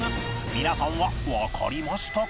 皆さんはわかりましたか？